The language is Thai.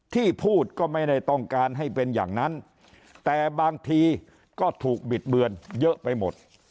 ที่พูดก็ไม่ได้ต้องการให้เป็นอย่างนั้นแต่บางทีก็ถูกบิดเบือนเยอะไปหมด